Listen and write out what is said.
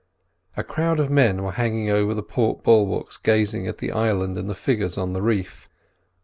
A crowd of men were hanging over the port bulwarks gazing at the island and the figures on the reef.